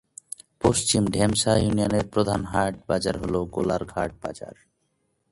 পশ্চিম ঢেমশা ইউনিয়নের প্রধান হাট/বাজার হল গোলার ঘাট বাজার।